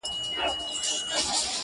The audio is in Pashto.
په افغان وطن کي شان د جنتو دی.